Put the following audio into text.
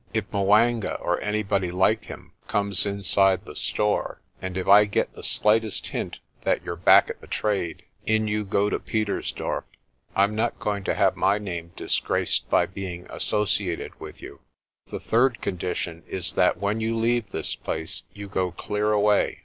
If 'Mwanga or anybody like him comes 70 PRESTER JOHN inside the store, and if I get the slightest hint that you're back at the trade, in you go to Pietersdorp. Pm not going to have my name disgraced by being associated with you. The third condition is that when you leave this place you go clear away.